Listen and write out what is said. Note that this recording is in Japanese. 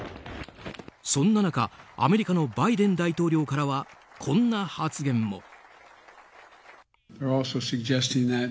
そんな中アメリカのバイデン大統領からはこんな発言も。